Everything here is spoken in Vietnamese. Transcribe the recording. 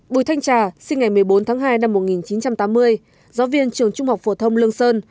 bùi thanh trà sinh ngày một mươi bốn tháng hai năm một nghìn chín trăm tám mươi giáo viên trường trung học phổ thông lương sơn